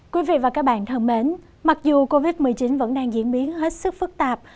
quý vị và các bạn thân mến mặc dù covid một mươi chín vẫn đang diễn biến hết sức phức tạp